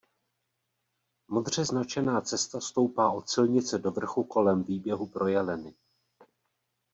Modře značená cesta stoupá od silnice do vrchu kolem výběhu pro jeleny.